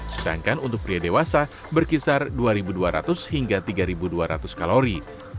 sedangkan untuk pria dewasa berkisar dua dua ratus hingga tiga dua ratus kalori